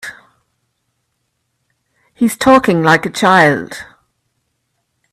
He's talking like a child.